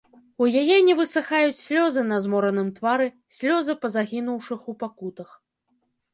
У яе не высыхаюць слёзы на змораным твары, слёзы па загінуўшых у пакутах.